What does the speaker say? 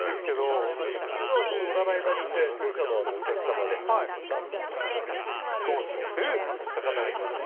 実は、その占場に行って当社のお客様でなんと宝くじの一等賞当たった方がいまして。